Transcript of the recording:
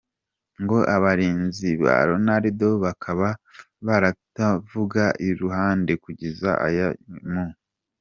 ngo abarinzi ba Ronaldo bakaba bataramuvaga I ruhande, kugeza ajyanywe mu.